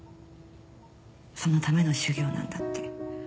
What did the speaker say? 「そのための修行なんだ」って。